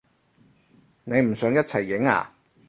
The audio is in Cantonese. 你唔想一齊影啊？